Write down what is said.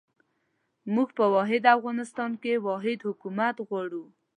موږ په واحد افغانستان کې واحد حکومت غواړو.